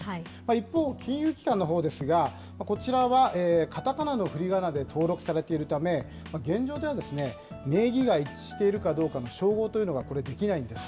一方、金融機関のほうですが、こちらはカタカナのふりがなで登録されているため、現状では、名義が一致しているかどうかの照合というのがこれ、できないんです。